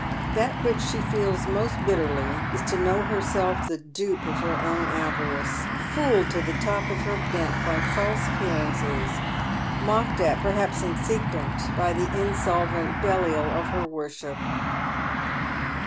That which she feels most bitterly is to know herself the dupe of her own avarice, fooled to the top of her bent by false appearances, mocked at perhaps in secret by the insolvent Belial of her worship.